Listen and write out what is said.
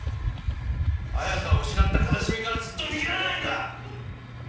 綾香を失った悲しみからずっと逃げられないんだ！